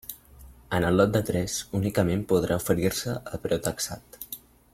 En el lot tres únicament podrà oferir-se preu taxat.